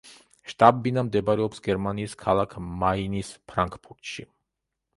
შტაბ-ბინა მდებარეობს გერმანიის ქალაქ მაინის ფრანკფურტში.